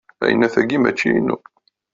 Ayennat-agi mačči inu.